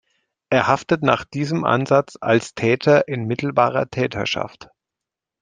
Er haftet nach diesem Ansatz als Täter in mittelbarer Täterschaft.